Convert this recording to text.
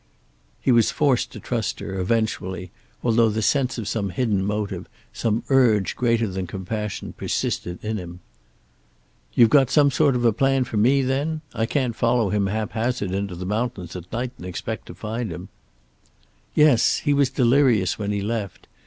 He was forced to trust her, eventually, although the sense of some hidden motive, some urge greater than compassion, persisted in him. "You've got some sort of plan for me, then? I can't follow him haphazard into the mountains at night, and expect to find him." "Yes. He was delirious when he left.